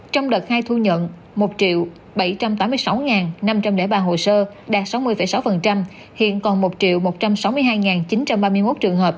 trong đợt hai thu nhận một bảy trăm tám mươi sáu năm trăm linh ba hồ sơ đạt sáu mươi sáu hiện còn một một trăm sáu mươi hai chín trăm ba mươi một trường hợp